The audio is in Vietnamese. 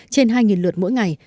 trên hai lượt mỗi ngày